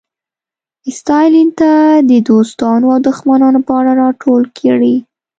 ستالین ته د دوستانو او دښمنانو په اړه راټول کړي.